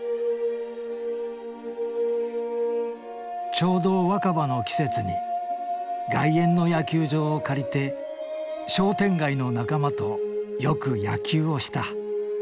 ちょうど若葉の季節に外苑の野球場を借りて商店街の仲間とよく野球をした。